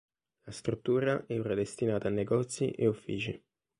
La struttura è ora destinata a negozi e uffici.